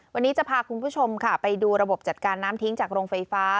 วันนี้จะพาคุณผู้ชมค่ะไปดูระบบจัดการน้ำทิ้งจากโรงไฟฟ้า